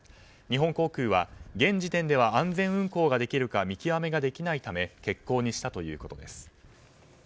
日本航空は現時点では安全運航ができるか見極めができないため欠航にしたということです。